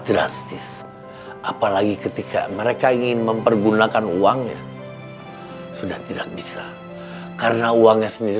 drastis apalagi ketika mereka ingin mempergunakan uangnya sudah tidak bisa karena uangnya sendiri